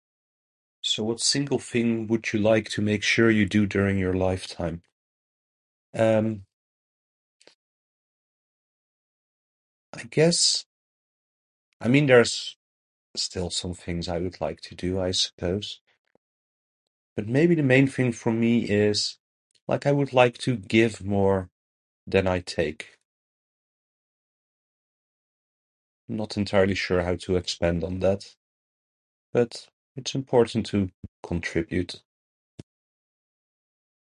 So what single thing would you like to make sure you do during your lifetime? Um, I guess, I mean there's still some things I would like to do, I suppose. But, maybe the main thing for me is, like, I would like to give more than I take. Not entirely sure how to expand on that. But, it's important to contribute.